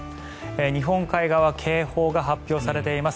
日本海側警報が発表されています。